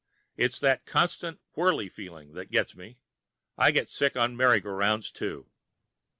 It's that constant whirly feeling that gets me. I get sick on merry go rounds, too.